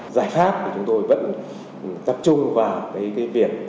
giải pháp thì chúng tôi vẫn tập trung vào